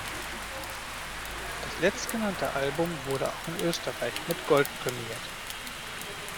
Das letztgenannte Album wurde auch in Österreich mit Gold prämiert.